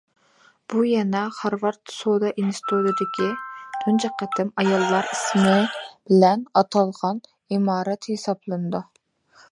بۇ يەنە خارۋارد سودا ئىنستىتۇتىدىكى تۇنجى قېتىم ئاياللارنىڭ ئىسمى بىلەن ئاتالغان ئىمارەت ھېسابلىنىدۇ.